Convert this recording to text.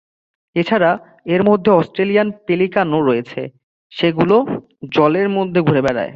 এছাড়া, এর মধ্যে অস্ট্রেলিয়ান পেলিকানও রয়েছে, যেগুলো জলের মধ্যে ঘুরে বেড়ায়।